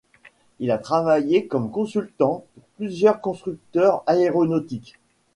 Il a travaillé comme consultant pour plusieurs constructeurs aéronautiques.